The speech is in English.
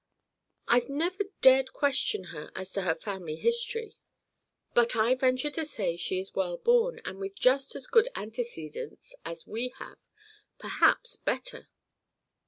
"I've never dared question her as to her family history, but I venture to say she is well born and with just as good antecedents as we have—perhaps better."